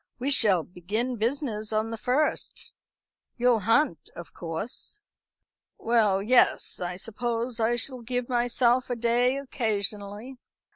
"We shall begin business on the first. You'll hunt, of course?" "Well, yes; I suppose I shall give myself a day occasionally."